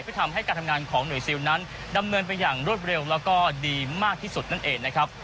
เพื่อทำให้การทำงานของหน่วยซิลนั้นดำเนินไปอย่างรวดเร็วแล้วก็ดีมากที่สุดนั่นเองนะครับ